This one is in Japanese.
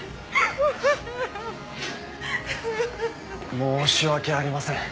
申し訳ありません。